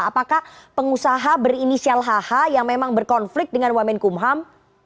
apakah pengusaha berinisial hh yang memang berkonflik dengan wamenkumham